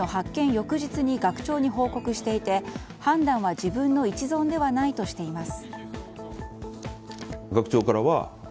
翌日に学長に報告していて判断は自分の一存ではないとしています。